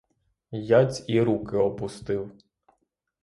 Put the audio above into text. Яць і руки опустив.